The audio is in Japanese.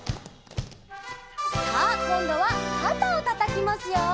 「」さあこんどはかたをたたきますよ。